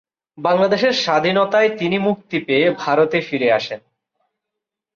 বাংলাদেশের স্বাধীনতায় তিনি মুক্তি পেয়ে ভারতে ফিরে আসেন।